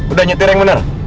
udah nyetir yang bener